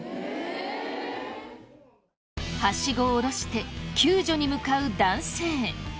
ハシゴを下ろして救助に向かう男性。